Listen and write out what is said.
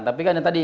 tapi kan yang tadi